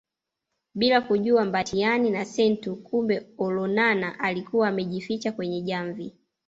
Bila kujua Mbatiany na Senteu kumbe Olonana alikuwa amejificha kwenye jamvi